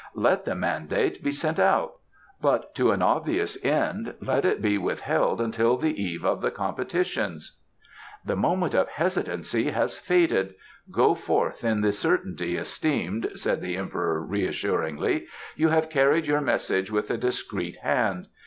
"Let the mandate be sent out but, to an obvious end, let it be withheld until the eve of the competitions." "The moment of hesitancy has faded; go forth in the certainty, esteemed," said the Emperor reassuringly. "You have carried your message with a discreet hand.